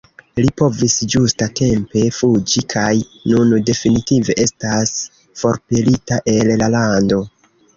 Li povis ĝusta-tempe fuĝi kaj nun definitive estas forpelita el la lando.